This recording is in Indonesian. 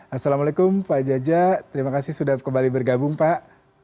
assalamualaikum pak jaja terima kasih sudah kembali bergabung pak